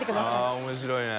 ◆舛面白いね。